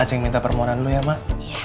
acing minta permohonan lu ya mak